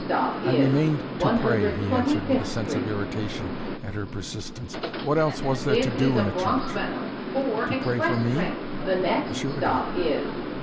"I remained to pray," he answered, with a sense of irritation at her persistence. "What else was there to do in a church?" "To pray for me?" "Assuredly."